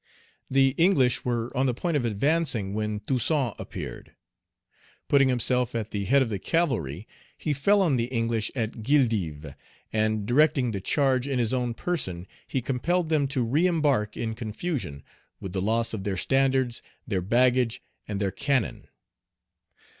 The English were on the point of advancing, when Toussaint appeared. Putting himself at the head of the cavalry, he fell on the English at Guildive, and, directing the charge in his own person, he compelled them to reëmbark in confusion, with the loss of their standards, their baggage, and their cannon.